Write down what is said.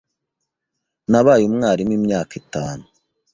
Nabaye umwarimu imyaka itanu.